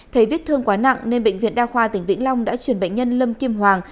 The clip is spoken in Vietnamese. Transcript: thấy vết thương quá nặng nên bệnh viện đa khoa tỉnh vĩnh long đã chuyển bệnh nhân lâm kim hoàng